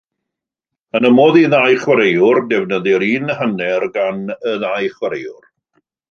Yn y modd i ddau chwaraewr defnyddir un hanner gan y ddau chwaraewr.